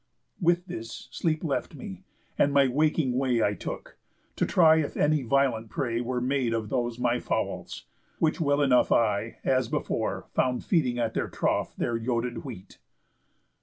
With this sleep left me, and my waking way I took, to try if any violent prey Were made of those my fowls, which well enough I, as before, found feeding at their trough Their yoted wheat."